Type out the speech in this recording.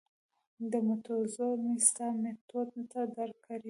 د مټو زور مې ستا مټو ته درکړی دی.